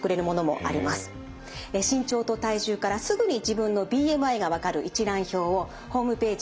身長と体重からすぐに自分のＢＭＩが分かる一覧表をホームページ